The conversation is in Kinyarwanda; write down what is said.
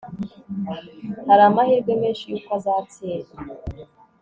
hari amahirwe menshi yuko azatsinda